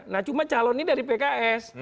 nah cuma calon ini dari pks